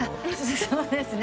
そうですね。